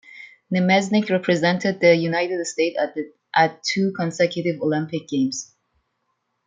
Namesnik represented the United States at two consecutive Olympic Games.